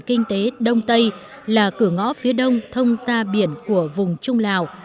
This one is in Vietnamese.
kinh tế đông tây là cửa ngõ phía đông thông ra biển của vùng trung lào